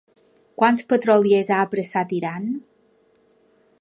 Quants petroliers ha apressat Iran?